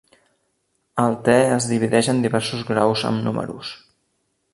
El te es divideix en diversos graus amb números.